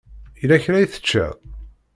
Yella kra i teččiḍ?